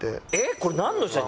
これなんの写真。